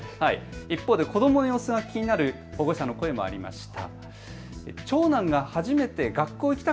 一方で子どもの様子が気になる保護者の声もありました。